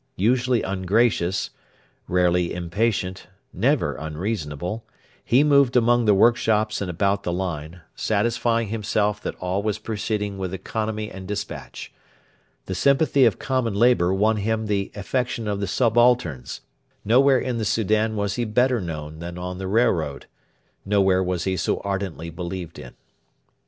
Usually ungracious, rarely impatient, never unreasonable, he moved among the workshops and about the line, satisfying himself that all was proceeding with economy and despatch. The sympathy of common labour won him the affection of the subalterns. Nowhere in the Soudan was he better known than on the railroad. Nowhere was he so ardently believed in.